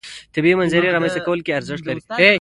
طبیعي منظرې رامنځته کولو کې ارزښت لري.